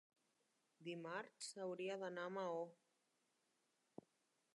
Dimarts hauria d'anar a Maó.